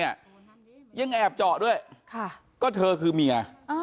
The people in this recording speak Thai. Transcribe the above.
ยังแอบเจาะด้วยก็เธอคือเมีย